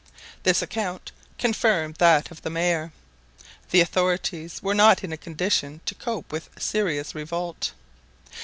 This account confirmed that of the mayor. The authorities were not in a condition to cope with serious revolt.